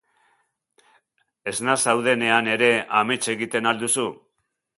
Esna zaudenean ere amets egiten al duzu?